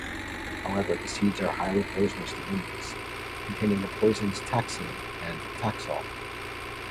However, the seeds are highly poisonous to humans, containing the poisons taxine and taxol.